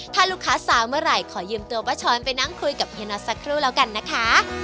ถ้าลูกค้าสาวเมื่อไหร่ขอยืมตัวป้าช้อนไปนั่งคุยกับเฮียน็อตสักครู่แล้วกันนะคะ